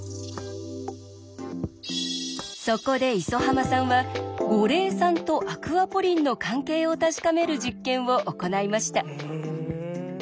そこで礒濱さんは五苓散とアクアポリンの関係を確かめる実験を行いました。